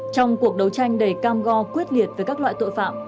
trong cuộc đấu tranh đầy cam go quyết liệt với các loại tội phạm